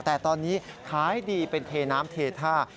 แต่ตอนนี้ขายดีเป็นเทน้ำเทท่า